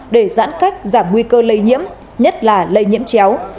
để giãn cách giảm nguy cơ lây nhiễm nhất là lây nhiễm chéo